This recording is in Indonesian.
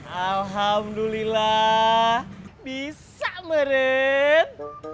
alhamdulillah bisa meren